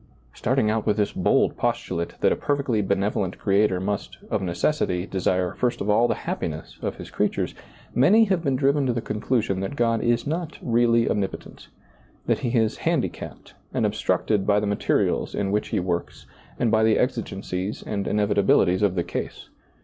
Starting out with this bold postulate that a perfectly benevolent Creator must, of necessity, desire, first of all, the happiness of His creatures, many have been driven to the conclusion that God is not really omnipotent, that He is handi capped and obstructed by the materials in which soiizccb, Google THE UNPROFITABLE SERVANT 53 He works and by the exigencies and inevitabili ties of the case.